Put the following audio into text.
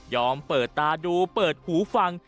เปิดตาดูเปิดหูฟัง